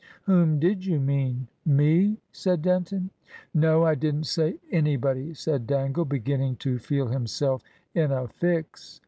"Whom did you mean? Me?" said Denton. "No; I didn't say anybody," said Dangle, beginning to feel himself in a fix.